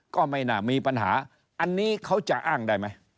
ก็ไม่น่ามีปัญหาอันนี้เขาจะอ้างได้ไหม